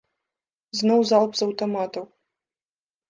Зноў залп з аўтаматаў.